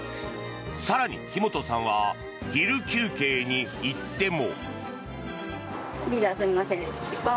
更に木本さんは昼休憩に行っても。